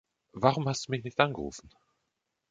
Warum hast du mich nicht angerufen?